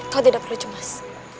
kau tidak perlu cemas